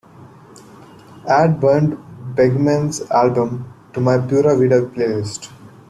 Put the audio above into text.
add bernd begemann's album to my pura vida playlist